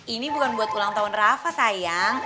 ini bukan buat ulang tahun rafa saya